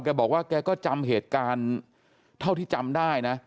แกบอกว่าแกก็จำเหตุการณ์เท่าที่จำได้นะ